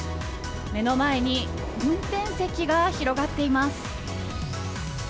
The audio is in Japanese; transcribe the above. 目の前に運転席が広がっています。